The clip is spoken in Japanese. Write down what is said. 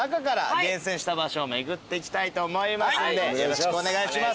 よろしくお願いします。